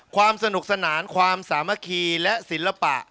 ความสนุกสนานความสามัคคีและศิลปะ